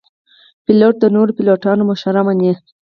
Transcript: پیلوټ د نورو پیلوټانو مشوره مني.